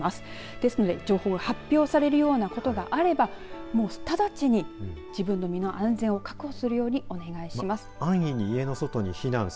ですので、情報が発表されるようなことがあれば直ちに自分の身の安全を確保するようにお願いします。